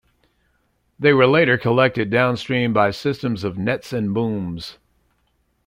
They were later collected downstream by systems of nets and booms.